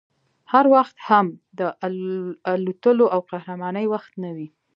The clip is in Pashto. هر وخت هم د اتلولۍ او قهرمانۍ وخت نه وي